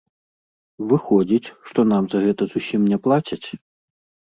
Выходзіць, што нам за гэта зусім не плацяць.